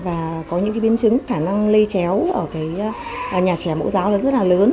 và có những biến chứng khả năng lây chéo ở nhà trẻ mẫu giáo rất lớn